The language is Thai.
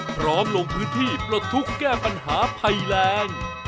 ลงพื้นที่ปลดทุกข์แก้ปัญหาภัยแรง